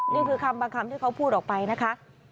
นี่คือคำบางคำที่เขาพูดออกไปนะคะ